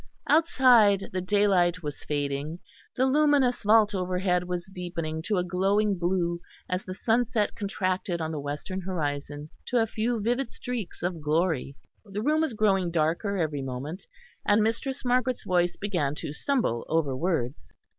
Outside the daylight was fading; the luminous vault overhead was deepening to a glowing blue as the sunset contracted on the western horizon to a few vivid streaks of glory; the room was growing darker every moment; and Mistress Margaret's voice began to stumble over words.